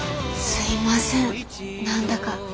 すいません何だか。